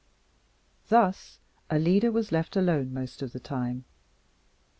Thus Alida was left alone most of the time.